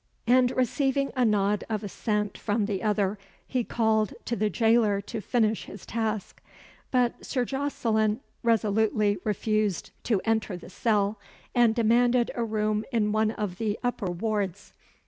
And, receiving a nod of assent from the other, he called to the jailer to finish his task. But Sir Jocelyn resolutely refused to enter the cell, and demanded a room in one of the upper wards.